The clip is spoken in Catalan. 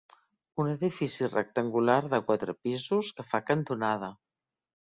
Un edifici rectangular de quatre pisos que fa cantonada.